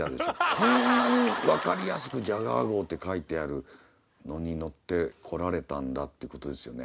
こんなに分かりやすく「ＪＡＧＵＡＲ号」って書いてあるのに乗って来られたんだってことですよね。